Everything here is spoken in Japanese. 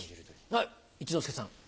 はい一之輔さん。